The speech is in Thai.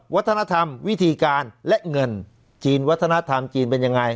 วัฒนธรรมวิธีการและเงินจีนวัฒนธรรมจีนเป็นยังไง